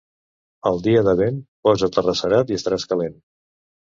El dia de vent, posa't arrecerat i estaràs calent.